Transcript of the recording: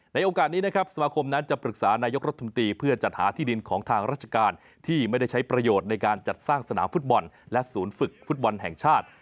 โอกาสนี้นะครับสมาคมนั้นจะปรึกษานายกรัฐมนตรีเพื่อจัดหาที่ดินของทางราชการที่ไม่ได้ใช้ประโยชน์ในการจัดสร้างสนามฟุตบอลและศูนย์ฝึกฟุตบอลแห่งชาติ